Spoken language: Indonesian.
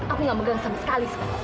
aku gak megang sama sekali sama kamu